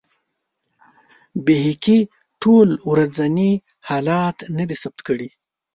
بیهقي ټول ورځني حالات نه دي ثبت کړي.